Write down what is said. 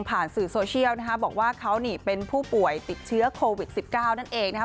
สื่อโซเชียลนะคะบอกว่าเขานี่เป็นผู้ป่วยติดเชื้อโควิด๑๙นั่นเองนะครับ